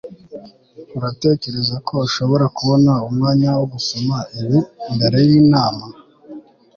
uratekereza ko ushobora kubona umwanya wo gusoma ibi mbere yinama